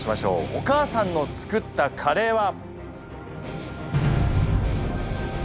お母さんの作ったカレーは。